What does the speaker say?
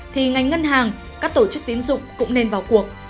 thì ngành ngân hàng các tổ chức tiến dụng cũng nên vào cuộc